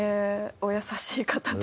お優しい方で。